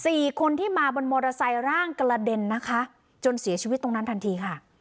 สี่คนที่มาบนมอเตอร์ไซค์ร่างกระเด็นนะคะจนเสียชีวิตตรงนั้นทันทีค่ะ